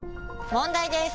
問題です！